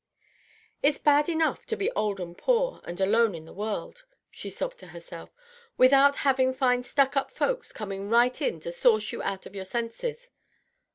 "It's bad enough to be old and poor and alone in the world," she sobbed to herself, "without having fine stuck up folks coming right in to sauce you out of your senses."